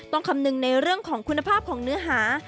คำนึงในเรื่องของคุณภาพของเนื้อหา